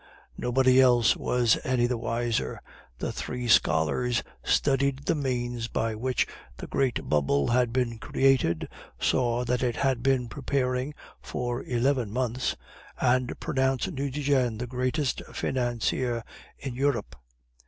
Nobody else was any the wiser. The three scholars studied the means by which the great bubble had been created, saw that it had been preparing for eleven months, and pronounced Nucingen the greatest financier in Europe.